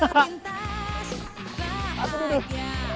lepas itu duduk